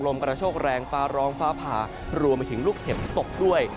กระโชคแรงฟ้าร้องฟ้าผ่ารวมไปถึงลูกเห็บตกด้วย